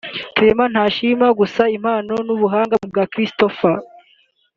Clement ntashima gusa impano n'ubuhanga bya Christopher